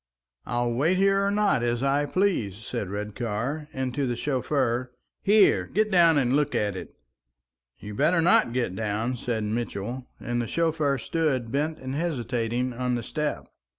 "I'll wait here or not as I please," said Redcar; and to the chauffeur, "Here! get down and look at it!" "You'd better not get down," said Mitchell; and the chauffeur stood bent and hesitating on the step.